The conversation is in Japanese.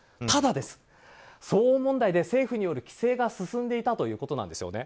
ただ、騒音問題で政府による規制が進んでいたということなんです。